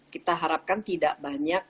kita harapkan tidak banyak